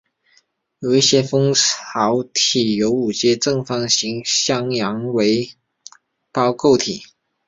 有一些蜂巢体由五阶正方形镶嵌为胞构成